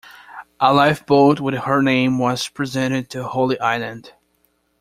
A lifeboat with her name was presented to Holy Island.